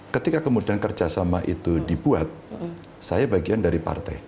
ketika kemudian kerjasama itu dibuat saya bagian dari partai